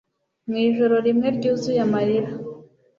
Mu ijoro rimwe ryuzuye amarira